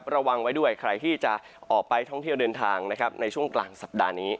ระวังไว้ด้วยใครที่จะออกไปท่องเที่ยวเดินทางนะครับในช่วงกลางสัปดาห์นี้